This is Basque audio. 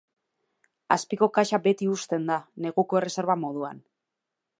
Azpiko kaxa beti uzten da, neguko erreserba moduan.